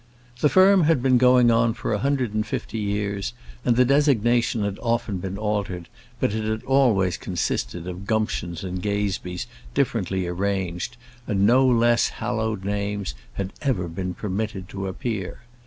The firm had been going on for a hundred and fifty years, and the designation had often been altered; but it always consisted of Gumptions and Gazebees differently arranged, and no less hallowed names had ever been permitted to appear.